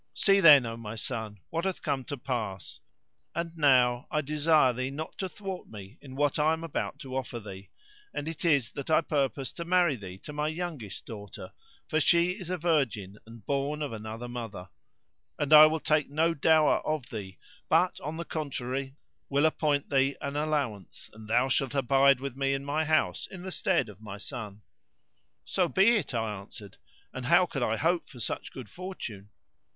See then, O my son, what hath come to pass; and now I desire thee not to thwart me in what I am about to offer thee, and it is that I purpose to marry thee to my youngest daughter; for she is a virgin and born of another mother;[FN#599] and I will take no dower of thee but, on the contrary, will appoint thee an allowance, and thou shalt abide with me in my house in the stead of my son." "So be it," I answered, "and how could I hope for such good fortune?"